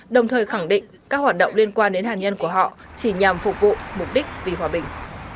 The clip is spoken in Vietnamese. đồng thời khẳng định các hoạt động liên quan đến hạt nhân của họ chỉ nhằm phục vụ mục đích vì hòa bình